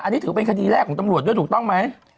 อันนี้ถือเป็นคดีแรกของตำรวจด้วยถูกต้องไหม